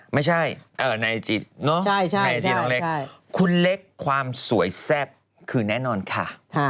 ไม่ใช่ในจิตในจิตน้องเล็กคุณเล็กความสวยแซ่บคือแน่นอนค่ะ